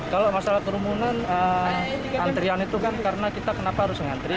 kalau masalah kerumunan antrian itu kan karena kita kenapa harus ngantri